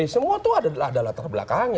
semua itu ada latar belakangnya